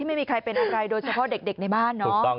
ไม่มีใครเป็นอะไรโดยเฉพาะเด็กในบ้านเนาะ